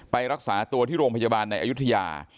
ไปรักษาตัวที่โรงพยาบาลในอายุทยา